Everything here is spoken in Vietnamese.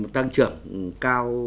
tăng trưởng cao